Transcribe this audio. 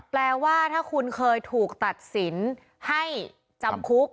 แปลว่าถ้าคุณเคยถูกตัดสินให้จำคุก